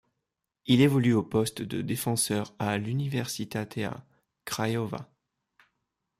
Il évolue au poste de défenseur à l'Universitatea Craiova.